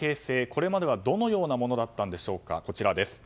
これまではどのようなものだったんでしょうか。